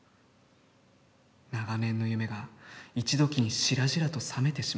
永年の夢が一時にしらじらと覚めてしまった。